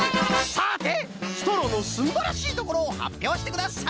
さてストローのすんばらしいところをはっぴょうしてください！